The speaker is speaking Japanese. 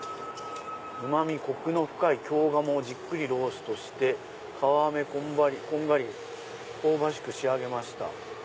「旨味コクの深い京鴨をじっくりローストして皮目こんがり香ばしく仕上げました」。